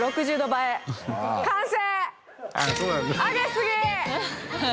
完成！